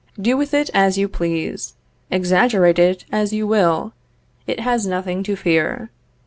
Do with it as you please, exaggerate it as you will; it has nothing to fear.